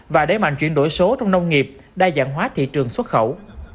và đẩy mạnh chuyển đổi số trong nông nghiệp đa dạng hóa thị trường xuất khẩu